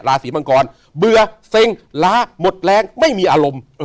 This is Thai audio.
ศรีมังกรเบื่อเซ็งล้าหมดแรงไม่มีอารมณ์